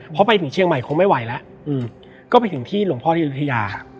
พอไปถึงเชียงใหม่คงไม่ไหวแล้วก็ไปถึงที่หลวงพ่อที่อายุทยา